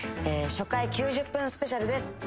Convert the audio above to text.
初回９０分スペシャルです。